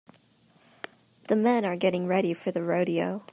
The men are getting ready for the rodeo.